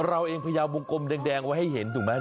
เราเองพยายามวงกลมแดงไว้ให้เห็นถูกไหม